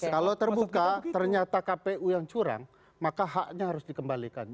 kalau terbuka ternyata kpu yang curang maka haknya harus dikembalikan